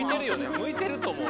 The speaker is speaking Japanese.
向いてると思う